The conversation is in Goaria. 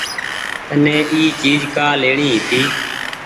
تني اي چيز ڪآ ليڻي هيتي۔